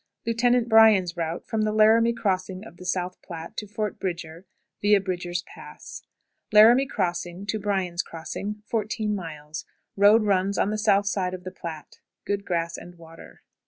Lieutenant BRYAN'S Route from the Laramie Crossing of the South Platte to Fort Bridger, via Bridger's Pass. Miles. Laramie Crossing to 14. Bryan's Crossing. Road runs on the south side of the Platte. Good grass and water.